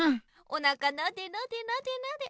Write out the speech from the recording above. おなかなでなでなで。